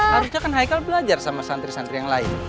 harusnya kan haikal belajar sama santri santri yang lain